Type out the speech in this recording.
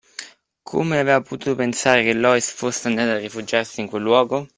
Come aveva potuto pensare che Loïs fosse andata a rifugiarsi in quel luogo?